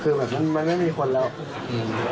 เพราะกลัวมันจะเปื้องพร้อมทั้งมีการถอดเสื้อสีขาวออก